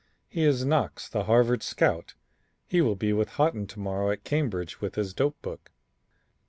"He is Knox the Harvard scout. He will be with Haughton to morrow at Cambridge with his dope book."